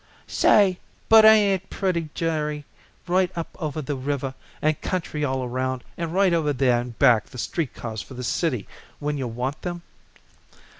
"Say, but ain't it pretty, Jerry, right up over the river, and country all around, and right over there in back the street cars for the city when you want them?"